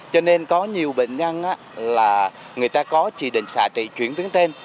cho nên có nhiều bệnh nhân là người ta có chỉ định xả trị chuyển tuyến tên